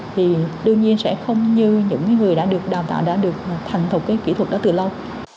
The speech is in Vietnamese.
thì đương nhiên sẽ không như những người đã được đào tạo đã được thành thục cái kỹ thuật đó từ lâu